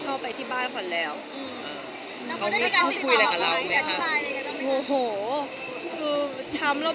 เข้าไปที่บ้านแค่ทั้งหมดแล้ว